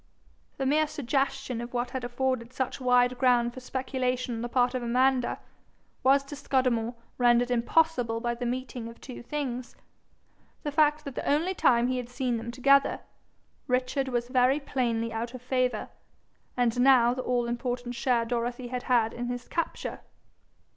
The mere suggestion of what had afforded such wide ground for speculation on the part of Amanda, was to Scudamore rendered impossible by the meeting of two things the fact that the only time he had seen them together, Richard was very plainly out of favour, and now the all important share Dorothy had had in his capture.